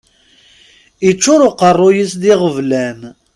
Iččuṛ uqeṛṛuy-is d iɣeblan.